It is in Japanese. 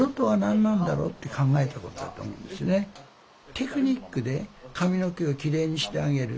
テクニックで髪の毛をきれいにしてあげる。